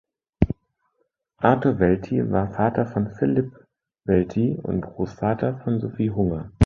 Arthur Welti war Vater von Philippe Welti und Grossvater von Sophie Hunger.